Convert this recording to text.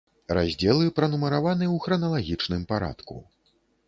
Раздзелы пранумараваны ў храналагічным парадку.